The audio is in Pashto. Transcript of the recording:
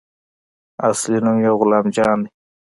اصلي نوم يې غلام جان دى.